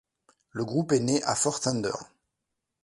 Le groupe est né à Fort Thunder.